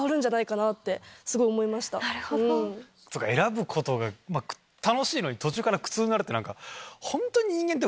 選ぶことが楽しいのに途中から苦痛になるって。